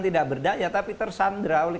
tidak berdaya tapi tersandra oleh